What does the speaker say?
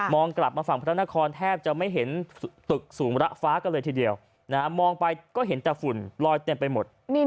กลับมาฝั่งพระนครแทบจะไม่เห็นตึกสูงระฟ้ากันเลยทีเดียวมองไปก็เห็นแต่ฝุ่นลอยเต็มไปหมด